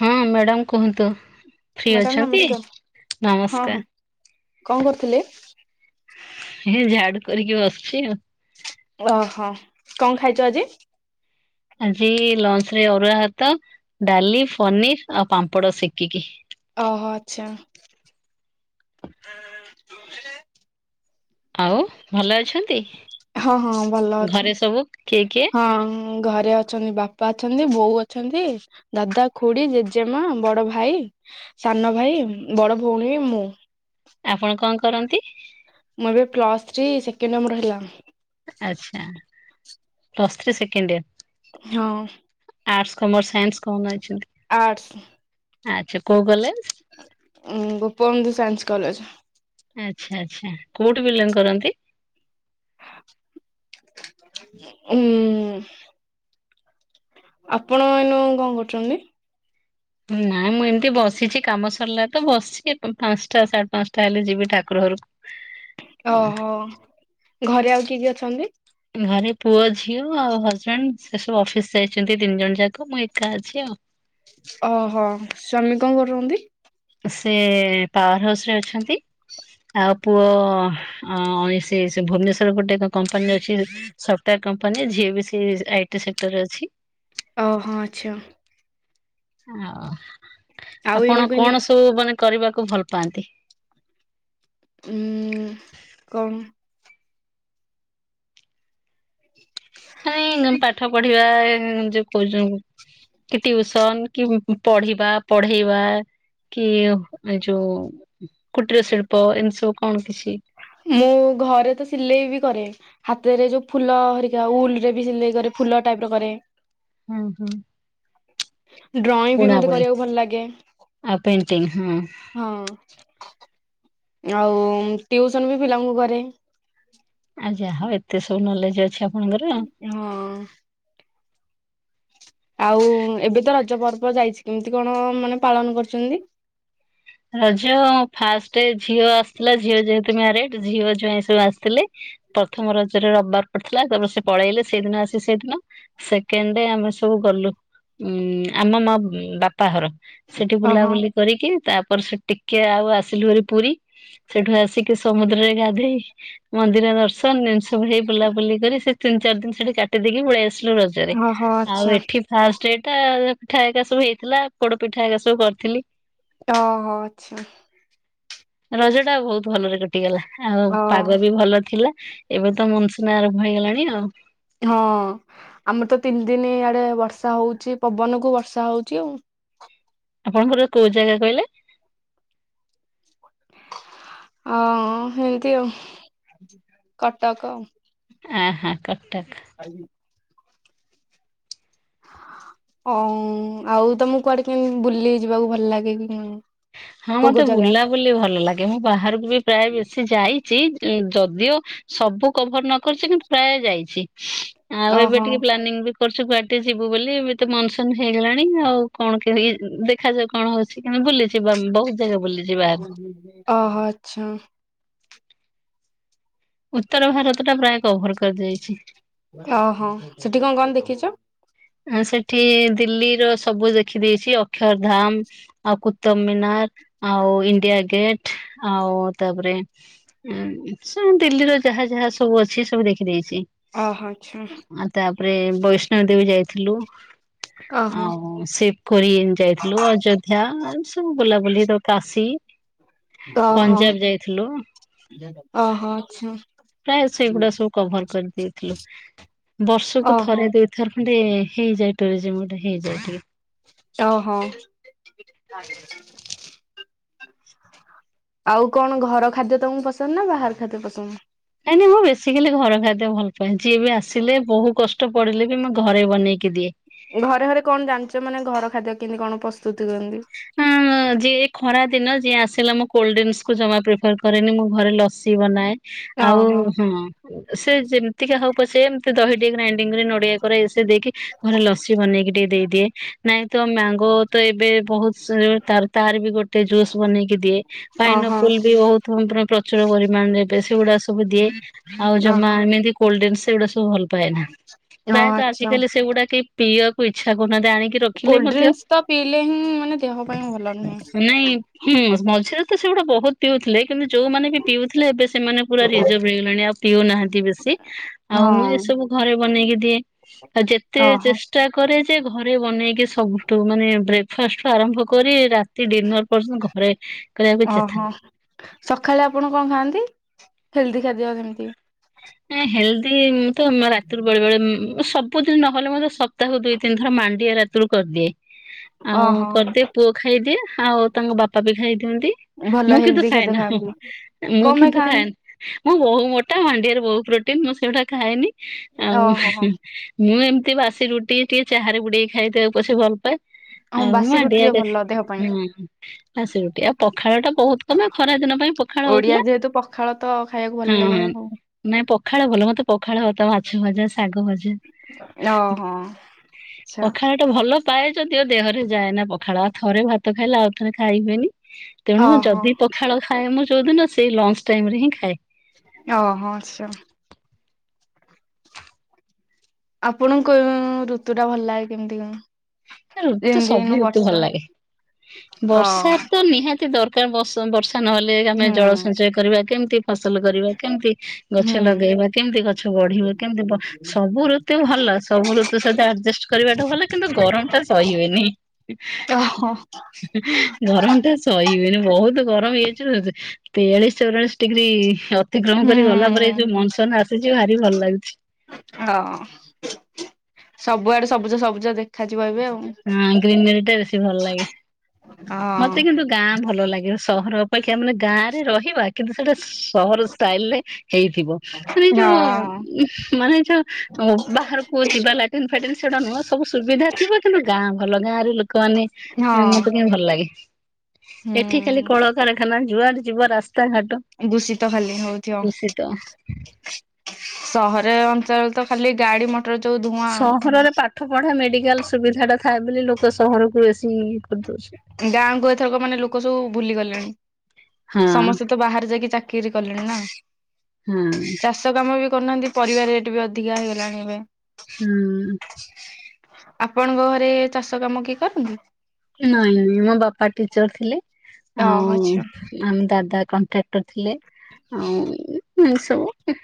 ହଁ ମ୍ୟାଡ଼ାମ କୁହନ୍ତୁ free madam ଅଛନ୍ତି ନମସ୍କାର ହଁ ହଁ ନମସ୍କାର? କଣ କରୁଥିଲେ? ଏ ଝାଡୁ କରିକି ବସୁଛି ଆଉ ଓହୋ କଣ ଖାଇଛ ଆଜି? ଆଜି ଲଞ୍ଚ ରେ ଅରୁଆ ହାତ ଡାଲି ପନିର ଆଉ ପାମ୍ପଡ ଶେକିକି। ଓହୋ ଆଚ୍ଛା ଆଉ ଭଲ ଅଛନ୍ତି? ହଁ ହଁ ଭଲ ଅଛ ଘରେ ସବୁ କିଏ କିଏ ହଁ ଘରେ ଅଛନ୍ତି ବାପା ବାପା ଅଛନ୍ତି ବୋଉ ଅଛନ୍ତି ଦାଦା ଖୁଡି ଜେଜେମା ବଡ ଭାଇ ସାନ ଭାଇ ବଡ଼ ଭଉଣୀ ମୁଁ ଆପଣ କଣ କରନ୍ତି? ମୁଁ ଏବେ ପ୍ଲସ ଥ୍ରୀ ସେକେଣ୍ଡ୍ ୟିଅ ମୋର ହେଲା। ଆଛା ପ୍ଲସ୍ ଥ୍ରୀ ସେକେଣ୍ଡୟର? ହଁ ଆର୍ଟସ, କମର୍, ସାଇନ୍ସ କଣ ନେଇଛନ୍ତି? ଆର୍ଟସ୍। ଆଚ୍ଛା କୋଉ କଲେଜ୍? ଉଁ, ଗୋପବନ୍ଧୁ ସାଇନ୍ସ କଲେଜ୍। ଆଚ୍ଛା, ଆଚ୍ଛା, କୋଉଠି ବିଲଂ କରନ୍ତି? ଉଁ, ଆପଣ ଏଇନୁ କଣ କରୁଛନ୍ତି? ନା ମୁଁ ଏମିତି ବସିଛି କାମ ସରିଲା ତ ବସିଛି ପ-ପାନ୍ସଟା ସାଢେ ପାନ୍ସଟା ହେଲେ ଯିବି ଠାକୁର ଘରକୁ। ଓହୋ! ଘରେ ଆଉ କିଏ କିଏ ଅଛନ୍ତି? ଘରେ ପୁଅ ଝିଅ ଆଉ ହଜବେଣ୍ଡ ସେ ସବୁ ଅଫିସ୍ ଯାଇଛନ୍ତି ତିନି ଜଣ ଯାକ ମୁଁ ଏକା ଅଛି ଆଉ। ଓହୋ! ସ୍ୱାମୀ କଣ କରନ୍ତି? ସେ ପାୱାର୍ ହାଉସ୍ ରେ ଅଛନ୍ତି। ଆଉ ପୁଅ ଅଁ, ସେ ସେ ଭୁବନେଶ୍ଵର ପଟେ ଏକ କମ୍ପାନୀ ରେ ଅଛି। ସେ ସଫ୍ଟାର କମ୍ପାନୀରେ। ଝିଅ ବି ସେ ଆଇଟି ସେକ୍ଟର ରେ ଅଛି। ଓ, ହଁ ଆଚ୍ଛା। ଆଅ ଆଉ ଏଇନୁ ଆପଣ କେମିତି କଣ ସବୁ ମାନେ କରିବା କୁ ଭଲ ପାଆନ୍ତି? ଉଁ, କଣ? ହେ ନା ମୁଁ ପାଠ ପଢିବା ଯୋଉ କରୁଚ କି ଟିଉସନ୍ କି ଉଁ, ଉଁ, ପଢିବା, ପଢେଇବା କି ଏ ଯୋଉ କୁଟୀର ଶିଳ୍ପ ଏମିତି ସବୁ କଣ କିଛି ମୁଁ ଘରେ ତ ସିଲେଇ ବି କରେ ହାତରେ ଯୋଉ ଫୁଲ ହେରିକା ଉଲ୍ ରେ ବି ସିଲେଇ କରେ। ଫୁଲ ଟାଇପ୍ କରେ। ଅଁ, ହୁଁ। ଡ୍ରଇଂ ବି ମୋତେ ବୁଣାବୁଣି କରିବାକୁ ଭଲ ଲାଗେ। ଆଉ ପେଣ୍ଟିଂ ହଁ। ହଁ ଆଉ ଟିଉସନ୍ ବି ପିଲାଙ୍କୁ କରେ। ଯାହା ହଉ ଏତେ ସବୁ ନଲେଜ୍ ଅଛି ଆ ହଁ। ଆଉ ଏବେ ତ ରଜ ପର୍ବ ଯାଇଛି। କେମିତି କଣ ମାନେ ପାଳନ କରିଚନ୍ତି? ରଜ ଫାଷ୍ଟ ଝିଅ ଆସିଥିଲା ଝିଅ ଯେହେତୁ ମ୍ୟାରେଡ୍ ଝିଅ ଜୁଆଇଁ ସବୁ ଆସିଥିଲେ। ପ୍ରଥମ ରଜରେ ରବବାର ପଡିଥିଲା ତାପରେ ସେ ପଳେଇଲେ ସେଇଦିନ ଆସି ସେଇଦିନ। ସେକେଣ୍ଡେ ଆମେ ସ ସବୁ ଗଲୁ ଉଁ, ଆମ ମୋ ଉଁ, ବାପା ଘର ସେଠି ଓହୋ ବୁଲାବୁଲି କରିକି। ତା ପର ସେ ଟିକିଏ ଆଉ ଆସିଲୁ ଭାରି ପୁରୀ। ସେଠୁ ଆସିକି ସମୁଦ୍ରରେ ଗାଧେଇ ମନ୍ଦିର ଦର୍ଶନ ଏମିତି ସବୁ ହେଇ ବୁଲାବୁଲି କରି ସେ ତିିନ ଚାରି ଦିନ ସେଠି କାଟି ଦେଇକି ପଳେଇ ଆସି ଲୁ ରଜରେ। ଓହୋ ଆଉ ଆଚ୍ଛା ଏଠି ଫାଷ୍ଟେ ଠା ଇଏ ପିଠା ଏକା ସବୁ ହେଇଥିଲା ପୋଡ ପିଠା ଏକା ସବୁ କରିଥିଲି। ଓହୋ! ଆଚ୍ଛା। ରଜ ଟା ବହୁତ ଭଲରେ କଟିଗଲା। ଆଉ ଓ ପାଗ ବି ଭଲ ଥିଲା। ଏବେ ତ ମନସୁନ ଆରମ୍ଭ ହେଇଗଲାଣି ଆଉ। ହଁ, ଆମର ତ ତିନି ଦିନି ଇଆଡେ ବର୍ଷା ହଉଛି ପବନ କୁ ବର୍ଷା ହଉଛି ଆଉ। ଆପଣଙ୍କର କୋଉ ଜାଗା କହିଲେ? ଅ, ହେମିତି ଆଉ କଟକ। ଆହା କଟକ। ଆଜି ଅଁ, ଆଉ ତୋମକୁ କୁଆଡେ କେମିତି ବୁଲିି ଯିବାକୁ ଭଲ ଲାଗେ କି କେଉଁ? ହଁ, ମୋତେ ବୁଲାବୁଲି ଭଲ ଲାଗେ। ମୁଁ ବାହାରକୁ ବି ପ୍ରାୟ ବେଶୀ ଯାଇଚି। ଏ ଯଦିଓ ସବୁ କଭର୍ ନ କରିଛି କିନ୍ତୁ ପ୍ରାୟ ଯାଇଛି। ଆଉ ଏବେ ଓହୋ ଟିକେ ପ୍ଲାନିଂ ବି କରୁଛୁ କୁଆଡେ ଯିବୁ ବୋଲି। ଏମିତି ତ ମନସୁନ୍ ହେଇଗଲାଣି ଆଉ କଣ କେଇ ଉଁ, ଉଁ, ଦେଖାଯାଉ କଣ ହଉଛି କିନ୍ତୁ ବୁଲିଚି। ଯିବୁ ଆମେ ବହୁତ ଓହୋ ଆଚ୍ଛା। ଉତ୍ତର ଭାରତ ଟା ପ୍ରାୟ କଭର କରି ଦେଇଚି। ଓହୋ ସେଠି କଣ କଣ ଦେଖିଚ? ଉଁ ସେଠି ଦିଲ୍ଲୀର ସବୁ ଦେଖିଦେଇଚି ଅକ୍ଷରଧାମ ଆଉ କୁତୁବ ମୀନା ର୍ ଆଉ ଇଣ୍ଡିଆ ଗେଟ ଆଉ ତା ପରେ ଏଁ ସେ ଦିଲ୍ଲୀରେ ଯାହା ଯାହା ସବୁ ଅଛି ସବୁ ଦେଖି ଦେଇଚି ଓହୋ ଆଚ୍ଛା ଆଉ ତା ପରେ ବୈଷ୍ଣବ ଦେବୀ ଯାଇଥିଲୁ। ଓ ଆଉ ସେ ପୁରୀ ଯାଇଥିଲୁ ଅଯୋଧ୍ୟା ଏମ୍ ସବୁ ବୁଲାବୁଲି ତ କାଶୀ ଓହୋ, ପଞ୍ଜାବ ଯାଇଥିଲୁ ଓହୋ, ଆଚ୍ଛା। ପ୍ରାୟ ସେଗୁଡା ସବୁ କଭର କରିଦେଇଥିଲୁ। ବର୍ଷକୁ ଓହୋ ଥରେ ଦୁଇଥର ଖଣ୍ଡେ ହେଇଯାଏ ଟୁରିଜିମ୍ ଗୋଟେ ହେଇଯାଏ ଟିକେ। ଓହୋ। ଆଉ କଣ ଘର ଖାଦ୍ୟ ତମକୁ ପସନ୍ଦ ନା ବାହାର ଖାଦ୍ୟ ପସନ୍ଦ? ନାଇଁ ନାଇଁ ମୁଁ ବେଶିକାଲି ଘର ଖାଦ୍ୟ ଭଲପାଏ। ଯିଏ ବି ଆସିଲେ ବହୁ କଷ୍ଟ ପଡିଲେ ବି ମୁଁ ଘରେ ବନେଇ ଘରେ ଘରେ କଣ ଜାଣିଚ। ମାନେ ଘର ଖାଦ୍ୟ କେନ୍ତି କଣ ପ୍ରସ୍ତୁତି କରନ୍ତି? ହୁଁ ଯିଏ ଖରା ଦିନ ଯିଏ ଆସ୍ ଆସିଲା ମୁଁ କୋଲ୍ଡଡ୍ରିଙ୍କସ୍ କୁ ଜମା ପ୍ରିଫର କରେନି ମୁଁ ଘରେ ଲସି ବନାଏ। ଆଉ ଓହୋ ହଁ ସେ ଯେମତିକା ହଉ ପଛେ ଏମତି ଦହି ଟିକେ ଗ୍ରାଇଣ୍ଡିଙ୍ଗ କରି ନଡିଆ କୋରା ଏସ ଦେଇକି ଘରେ ଲସି ବନେଇକି ଟିକେ ଦେଇଦିଏ। ନାଇଁ ତ ମ୍ୟାଙ୍ଗୋ ତ ଏବେ ବହୁତ ସେଓ ତାର ତାର ବି ଗୋଟେ ଜୁସ୍ ବନେଇକି ଦିଏ। ଓହୋ ପାଇନଆପୁଲ ବି ବହୁତ ପୁରା ପ୍ରଚୁର ପରିମା [unintelligible] ସେଗୁଡା ସବୁ ଦିଏ। ଆଉ ଜମା ଓହୋ ଏମିତି କୋଲ୍ଡଡ୍ରିଙ୍କସ ସେଗୁଡା ସବୁ ଭଲ ପାଏନା। ହଁ ପ୍ରାୟତଃ ଆଚ୍ଛା ଆଜିକାଲି ସେଗୁଡା କେଇ ପିଇବାକୁ ଇଛା କରୁ କୋଲ୍ଡଡ୍ରିଙ୍କସ ତ ପିଇଲେ ହିଁ ମାନେ ଦେହ ପାଇଁ ଭଲ ନୁହେଁ। ଉଁ ମଝିରେ ତ ସେଗୁଡା ବହୁତ ପିଉଥିଲେ। କିନ୍ତୁ ଯୋଉମାନେ ବି ପିଉଥିଲେ ଏବେ ସେମାନେ ପୁରା ରିଜର୍ଭ ହେଇଗଲେଣି ଆଉ ପିଉନାହାଁନ୍ତି ବେଶି। ଆଉ ମୁଁ ହଁ ଏସ ସବୁ ଘରେ ବନେଇକି ଦିଏ। ଆଉ ଯେତେ ଓହୋ ଚେଷ୍ଟା କରେ ଯେ ଘରେ ବନେଇକି ସବୁଠୁ ମାନେ ବ୍ରେକ୍ଫାଷ୍ଟୁ ଆରମ୍ଭ କରି ରାତି ଡିନର ପର୍ଯ୍ୟନ୍ତ ଘରେ କରିବାକୁ ଚେଷ୍ଟା। ଓହୋ ସକାଳେ ଆପଣ କଣ ଖାଆନ୍ତି ହେଲ୍ଦି ଖାଦ୍ୟ ଯେମିତି? ନାଇଁ ହେଲ୍ଦି ମୁଁ ତ ରାତିରୁ ବେଳେ ବେଳେ ଉଁ ସବ୍ ବୁ ଦିନ ନହେଲେ ମଧ୍ୟ ସପ୍ତାହକୁ ଦୁଇ ତିିନି ଥର ମାଣ୍ଡିଆ ରାତିରୁ କରିଦିଏ। ଆଉ ଓହୋ କରିଦିଏ ପୁଅ ଖାଇଦିଏ। ଆଉ ତାଙ୍କ ବାପା ବି ଖାଇଦିଅନ୍ତି। ଭଲ ମୁଁ କିନ୍ତୁ ହେଲ୍ଦି ଖାଦ୍ୟ ଖାଏନା ହୁଁ ଖାଆନ୍ତି ମୁଁ କଣ ପାଇଁ କିନ୍ତୁ ଖାଆନ୍ତି ଖାଏନା। ମୁଁ ବହୁ ମୋଟା ମାଣ୍ଡିଆରେ ବହୁ ପ୍ରୋଟିନ ମୁଁ ସେଗୁଡା ଖାଏନି। ଆଉ ଓହୋ ହଁ। ହୁଁ ମୁଁ ଏମ ତି ବାସି ରୁଟି ଟିକେ ଚାହାରେ ବୁଡେଇକି ଖାଏ ତାକୁ ପଛେ ଭଲପାଏ। ହଁ ଆଉ ବାସି ମାଣ୍ଡିଆ ରୁଟିରେ କେ ଭଲ ଦେହ ପାଇଁ ହୁଁ ବାସି ରୁଟି। ଆଉ ପଖାଳ ଟା ବହୁତ କମ ଆଉ ଖରା ଦିନ ପାଇଁ ପଖାଳ ଓଡିଆ ହଉଥିଲା ଯେହେତୁ ପଖାଳ ତ ଖାଇବାକୁ ହଁ ଭଲ ଲାଗେ ହଁ। ଆଉ। ନାଇଁ ପଖାଳ ଭଲ ମୋତେ ପଖାଳ ଭାତ, ମାଛ ଭଜା ସ୍ ଶାଗ ଭଜା, ଆଚ୍ଛା ପଖାଳ ଟା ଭଲ ପାଏ ଯଦିଓ ଦେହରେ ଯାଏନା ପଖାଳ। ଆଉ ଥରେ ଭାତ ଖାଇଲେ ଆଉ ଥରେ ଖାଇ ହୁଏନି। ତେଣୁ ଓହୋ ଯଦି ପଖାଳ ଖାଏ ମୁଁ ଯୋଉଦିନ ସେଇ ଲଞ୍ଚ ଟାଇମ ରେ ହିଁ ଖାଏ। ଓହୋ ଆଚ୍ଛା। ଆପଣଙ୍କୁ ଋତୁ ଟା ଭଲ ଲାଗେ କେମିତି କଣ? ଋତୁ ଯେମିତି ସବୁ ଏଇନୁ ଋତୁ ବର୍ଷା ଭଲ ଲାଗେ। ଅ ବର୍ଷାରେ ତ ନିହାତି ଦର କାର ବସ ବସ୍ ର୍ଷା ନହେଲେ ଆମେ ହୁଁ ଜଳ ସଞ୍ଚୟ କରିବା କେମିତି, ଫସଲ କରିବା କେମିତି, ଗଛ ହୁଁ ଲଗେଇବା କେମିତି, ଗଛ ବଢିବ କେମିତି ବ ସବୁ ଋତୁ ଭଲ ସବୁ ଋତୁ ସହିତ ଆଡଜଷ୍ଟ କରିବା ଟା ଭଲ। କିନ୍ତୁ ଗରମ ଟା ସହି ହୁଏନି। ଓହୋ ଗରମ ଟା ସହି ହୁଏନି। ବହୁତ ଗରମ ହେଇଯାଉଛି, ତେୟାଳିଶ, ଚଉରାଳିଶ ଡିଗ୍ରୀ ଅତିକ୍ରମ କରି ଗଲା ପରେ ଏଇ ହୁଁ ଯୋଉ ମନସନ ଆସିଛି, ଭାରି ଭଲ ଲାଗୁଛି। ଅ ସବୁଆଡେ ସବୁଜ ସବୁଜ ଦେଖାଯା ହଁ, ଗ୍ରୀନେରୀ ଟା ବେଶୀ ଭଲ ଲାଗେ। ମତେ ହଁ କିନ୍ତୁ ଗାଁ ଭଲ ଲାଗିବ ସହର ଅପେକ୍ଷା ମାନେ ଗାଁ ରେ ରହିବା କିନ୍ତୁ ସେଇଟା ସହର ଷ୍ଟାଇଲ ରେ ହେଇଥିବ। ମାନେ ଯୋଉ ହୁଁ ମାନେ ଯୋଉ ମୋବା ବାହାରକୁ ଯିବା ଲାଟିନ୍ ଫାଟିନ୍ ସେଗୁଡା ନୁହଁ ସବୁ ସୁବିଧା ଥିବ କିନ୍ତୁ ଗାଁ ଭଲ ଗାଁରେ ଲୋକମାନେ ହଁ ମତେ ହଁ କାଇଁ ଭଲ ଲାଗେ। ଏଠି ଖାଲି ହୁଁ। କଳକାର ଖାନା ଯୁଆଡେ ଯିବ ରା ଦୂଷିତ ଖାଲି ହଉଥିବ। ଦୂଷିତ ସହରେ ଅଞ୍ଚଳ ତ ଖାଲି ଗାଡି ମଟ ସହରରେ ପାଠ ପଢା, ମେଡିକାଲ ସୁବିଧା ଟା ଥାଏ ବୋଲି ଲୋକ ସହରକୁ ବେଶି ଗାଁକୁ ଏଥରକ ମାନେ ଲୋକ ସବୁ ଭୁଲି ଗଲେଣି‌। ହଁ ସମସ୍ତେ ତ ବାହାରେ ଯାଇକି ଚାକିରି କଲେଣି ନା, ହଁ ଚାଷ କାମ ବି କରୁନାହାନ୍ତି ପରିବା ରେଟ୍ ବି ଅଧିକା ହେଇଗଲାଣି ଏବେ। ହୁଁ। ଆପଣଙ୍କ ଘରେ ଚାଷ କାମ କିଏ କରନ୍ତି? ନାଇଁ ମୋ ବାପା ଟିଚର ଥିଲେ ଓହୋ ଆଉ ଆଚ୍ଛା ଆମ ଦାଦା କଣ୍ଟ୍ରାକ୍ଟର ଥିଲେ ଆଉ ଏ ସବୁ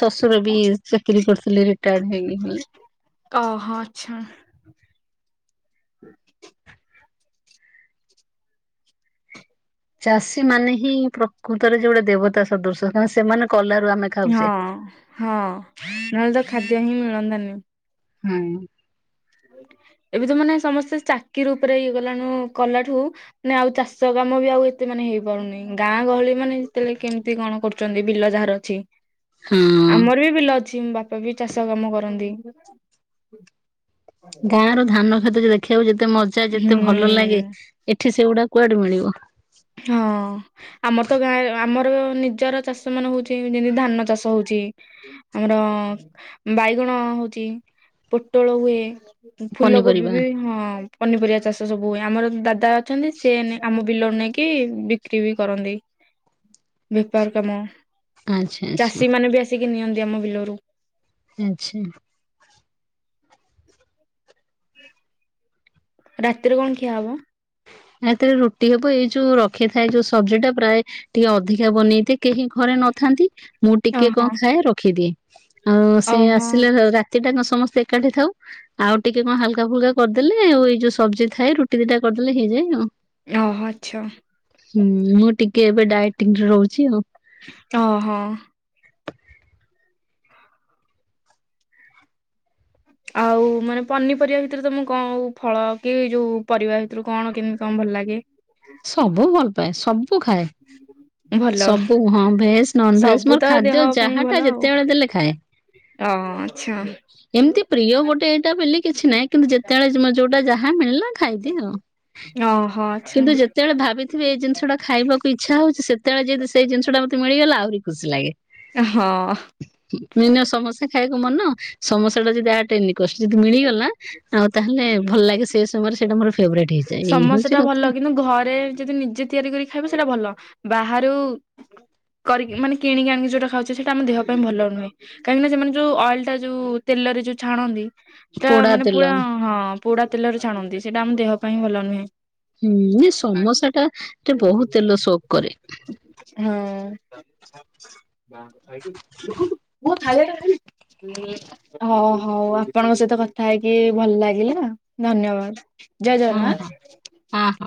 ଶଶୁର ବି ଚାକିରୀ କରିଥିଲେ ରିଟାୟାର୍ଡ ହେଇ ହେଲେ। ତ ଅହ ଆଚ୍ଛା। ଚାଷୀ ମାନେ ହିଁ ପ୍ରକୃତରେ ଯେ ଗୋଟେ ଦେବତା ସଦୃଶ କାରଣ ସେମାନେ କଲାରୁ ଆମେ ଖାଉଛେ। ହଁ ହଁ ନହେଲେ ତ ଖାଦ୍ୟ ହିଁ ମିଳନ୍ତାନି। ହୁଁ। ହ ଏବେ ଯୋଉ ମାନେ ସମସ୍ତେ ଚାକିର ଉପରେ ଇଏ କଲାନୁ କଲାଠୁ ଆମେ ଆଉ ଚାଷ କାମ ବି ଆଉ ଏତେ ମାନେ ନେ ହେଇ ପାରୁନି ଗାଁ ଗହଳି ମାନେ ଯେତେବେଳେ କେମିତି କଣ କରୁଛନ୍ତି ବିଲ ଯାହାର ଅଛି। ହଁ ଆମର ବି ବିଲ ଅ ଛି ମୋ ବାପା ବି ଚାଷ କାମ କରନ୍ତି। ଗାଁ ର ଧାନ କ୍ଷେତ ଯେତେ ଦେଖିବାକୁ ଯେତେ ମଜା ହୁଁ ଯେତେ ଭଲ ଲାଗେ ଏଠି ଏଠି ସେଗୁଡା କୁଆଡେ ମିଳିବ? ହଁ ଆମର ତ ଗାଁରେ ଆମର ନିଜର ଚାଷ ମାନ ହଉଛି ଯେମିତି ଧାନ ଚାଷ ହଉଛି। ହୁଏ ଆମର ବାଇଗଣ ହଉଛି ପୋଟଳ ହୁଏ। ଫୁଲ କୋବି ପନିପରିବା ବି ହଁ ପନିପରିବା ଚାଷ ସବୁ ହୁଏ ଆମର ଦାଦା ଛନ୍ତି ସେ ଏନି ଆମ ବିଲରୁ ନେଇକି କି ବିକ୍ରି ବି କରନ୍ତି ବେପାର କାମ ଆଚ୍ଛା ଆଚ୍ଛା। ବିକି ନିଅନ୍ତି ଆମ ବିଲ ରୁ ଆଚ୍ଛା। ରାତିରେ କଣ ଖିଆ ହବ? ରାତିରେ ରୁଟି ହବ ଏଇ ଯୋଉ ରଖିଥାଏ ଯୋଉ ସବଜି ଟା ପ୍ରାୟ ଟିକେ ଅଧିକା ବନେଇଦିଏ କେହି ଘରେ ନଥାନ୍ତି ମୁଁ ଟିକେ ଓହୋ କଣ ଖାଏ ରଖିଦିଏ ଆଉ ସେ ଓହୋ ଆସିଲେ ରା ରାତି ତିଟା କଣ ସମସ୍ତେ ଏକାଠି ଥାଉ ଆଉ ଟିକେ କଣ ହାଲକା ଫୁଲକା କରିଦେଲେ ଆଉ ଏଇ ଯୋଉ ସବ୍ଜି ଥାଏ ରୁଟି ଦିଟା କରି ଦେଲେ ହେଇ ଯାଏ। ଓହୋ ଆଚ୍ଛା। ହୁଁ ମୁଁ ଟିକେ ଏବେ ଡାଏଟିଂରେ ରହୁଛି ଆଉ। ଓହୋ। ଆଉ ମାନେ ପନିପରିବା ଭିତରେ ତ ମୁଁ କଉଁ ଫଳ କି ଯୋଉ ପରିବା ଭିତରୁ କଣ କେମତି ତମ ଭଲ ଲାଗେ? ସବୁ ଭଲ ପାଏ ସବୁ ଖାଏ। ଭଲ ସବୁ ହଁ ଭେଜ ନନଭେଜ ସବୁ ମୋର ତ ଦେହ ଖାଦ୍ୟ ପାଇଁ ଯାହା ଭଲ ଟା ଆଉ। ଯେତେବେଳେ ଦେଲେ ଖାଏ। ଅ ଆଚ୍ଛା ଏମିତି ପ୍ରିୟ ଗୋଟେ ଏଇଟା ବୋଲି କିଛି ନାହିଁ କିନ୍ତୁ ଯେତେବେଳେ ଯୁମ ଯୋଉଟା ଯାହା ହା ମିଳିଲା ଖାଇଦିଏ ଆଉ ଓହୋ ଆଚ୍ଛା କିନ୍ତୁ ଯେ ଭାବିଥିବି ଏଇ ଜିନିଷଟା ଖାଇବାକୁ ଇଚ୍ଛା ହଉଛି ସେତେବେଳେ ଯଦି ସେଇ ଜିନିଷଟା ମତେ ମିଳିଗଲା ଆହୁରି ଖୁସି ଲାଗେ। ହଁ। ମିନ ସମସା ଖାଇବାକୁ ମନ ସମସା ଟା ଯାହାଟେନି ଷ୍ଟ ଯଦି ମିଳିଗଲା ଆଉ ତାହେଲେ ଭଲ ଲାଗେ ସେ ସମୟରେ ସେଇଟା ମୋର ଫେବରାଇଟ୍ ହେଇଯାଏ। ଏଇ ସମସ୍ତେ ହଉଛି ଟା ଭଲ କଥା କିନ୍ତୁ ଘ ରେ ଯଦି ନିଜେ ତିଆରି କରି ଖାଇବ ସେଇଟା ଭଲ ବାହାରୁ କରିକି ମାନ କିଣିକି ଆଣି ଯୋଉଟା ଖାଉଛେ ସେଟା ଆମ ଦେହ ପାଇଁ ଭଲ ନୁହେଁ କାହିଁକିନା ସେମାନେ ଯୋଉ ଅଏଲଟା ଯଉ ତେଲ ରେ ଯୋଉ ଛାଣନ୍ତି। ତା ପୋଡା ମାନେ ତେଲ ପୁରା ହଁ ପୋଡା ତେଲରେ ଛାଣନ୍ତି ସେଇଟା ଆମ ଦେହ ପାଇଁ ଭଲ ନୁହେଁ। ହୁଁ ଯେ ସମସା ଟା ଟିକେ ବହୁତ ତେଲ ଶୋକ କରେ। ହୁଁ [inaudible] ହଉ ହଉ ଆପଣଙ୍କ ସହିତ କଥା ହେଇକି ଭଲ ଲାଗିଲା ଧନ୍ୟବାଦ। ଜୟ ହଁ ହଁ ଜଗନ୍ନାଥ। ହଁ ହଁ।